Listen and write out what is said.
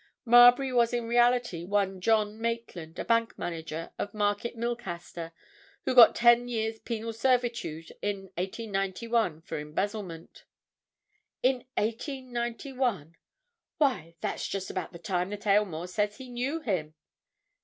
Marbury was in reality one John Maitland, a bank manager, of Market Milcaster, who got ten years' penal servitude in 1891 for embezzlement." "In 1891? Why—that's just about the time that Aylmore says he knew him!"